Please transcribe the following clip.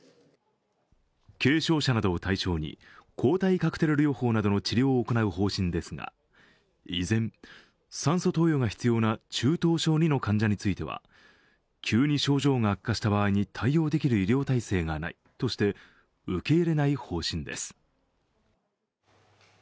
軽症者などを対象に抗体カクテル療法などの治療を行う方針ですが、依然、酸素投与が必要な中等症Ⅱの患者については、急に症状が悪化した場合に対応できる医療体制がないとして受け入れない方針です。